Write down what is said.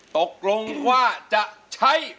ตกลงว่าจะใช้